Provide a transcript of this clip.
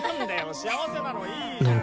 幸せなのいいじゃん。